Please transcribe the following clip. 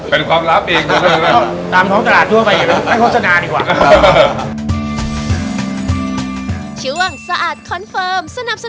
เป็นความลาบอีกสิครับ